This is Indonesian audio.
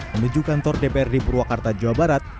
menuju kantor dprd purwakarta jawa barat